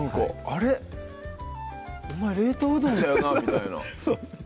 「あれ？お前冷凍うどんだよな」みたいなそうです